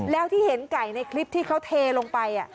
แล้วที่เห็นไก่ในคลิปที่เขาเทลงไป